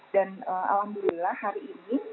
dan alhamdulillah hari ini